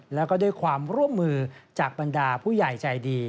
แล้วก็ด้วยความร่วมมือจากบรรดาผู้ใหญ่ใจดี